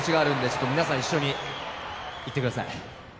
ちょっと皆さん一緒に言ってください